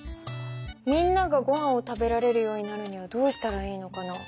みんながごはんを食べられるようになるにはどうしたらいいのかな？